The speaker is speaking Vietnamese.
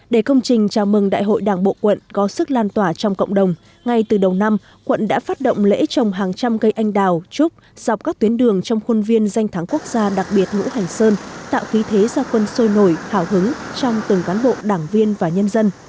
để công trình chào mừng đại hội đảng bộ quận có sức lan tỏa trong cộng đồng ngay từ đầu năm quận đã phát động lễ trồng hàng trăm cây anh đào trúc dọc các tuyến đường trong khuôn viên danh thắng quốc gia đặc biệt ngũ hành sơn tạo khí thế gia quân sôi nổi hào hứng trong từng cán bộ đảng viên và nhân dân